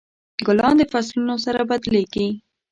ګلان د فصلونو سره بدلیږي.